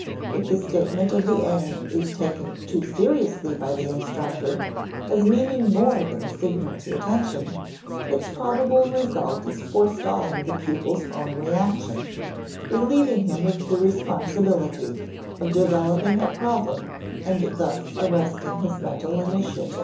If the statement of the aim is taken too seriously by the instructor, as meaning more than a signal to attention, its probable result is forestalling the pupil's own reaction, relieving him of the responsibility of developing a problem and thus arresting his mental initiative.